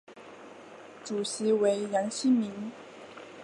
主席为杨新民。